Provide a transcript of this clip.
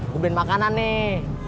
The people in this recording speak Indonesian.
gue beliin makanan nih